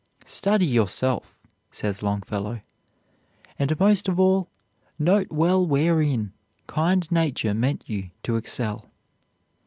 "Study yourself," says Longfellow, "and most of all, note well wherein kind nature meant you to excel."